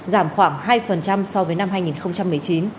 giảm khoảng hai so với năm hai nghìn một mươi chín